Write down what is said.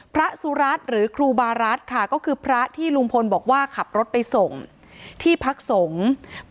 พระสุรัตน์หรือครูบารัฐค่ะก็คือพระที่ลุงพลบอกว่าขับรถไปส่งที่พักสงฆ์